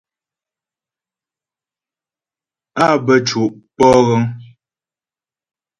Á bə́ co' pɔ'o ghəŋ.